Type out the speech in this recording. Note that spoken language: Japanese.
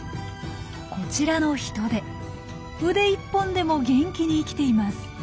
こちらのヒトデ腕１本でも元気に生きています。